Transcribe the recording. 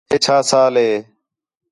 ہے چھا سال ہے؟